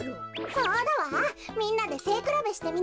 そうだわみんなでせいくらべしてみない？